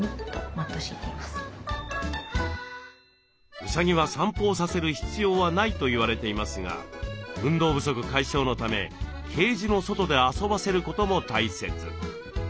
うさぎは散歩をさせる必要はないと言われていますが運動不足解消のためケージの外で遊ばせることも大切。